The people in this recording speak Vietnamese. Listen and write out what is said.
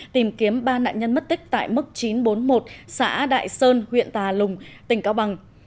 tìm kiếm ba nạn nhân mất tích tại mức chín trăm bốn mươi một xã đại sơn huyện tà lùng tỉnh cao bằng